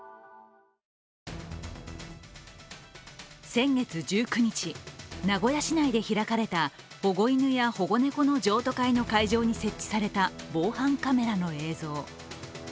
先月１９日、名古屋市内で開かれた保護犬や保護猫の譲渡会の会場に設置された防犯カメラの映像。